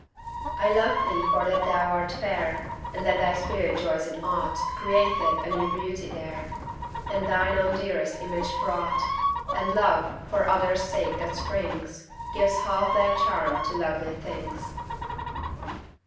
I love thee for that thou art fair; And that thy spirit joys in aught Createth a new beauty there, With throe own dearest image fraught; And love, for others' sake that springs, Gives half their charm to lovely things.